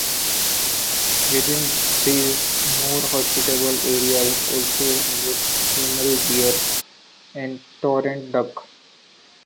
Within these more hospitable areas also live huemul deer and torrent duck.